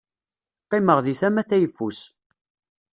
Qqimeɣ di tama tayeffus.